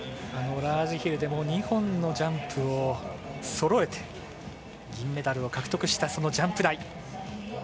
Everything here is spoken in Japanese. ラージヒルでも２本のジャンプをそろえて銀メダルを獲得したジャンプ台。